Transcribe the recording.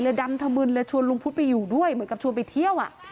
ดำถมึนเลยชวนลุงพุทธไปอยู่ด้วยเหมือนกับชวนไปเที่ยว